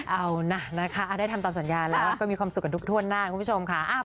เอานะนะคะได้ทำตามสัญญาแล้วก็มีความสุขกันทุกถ้วนหน้าคุณผู้ชมค่ะ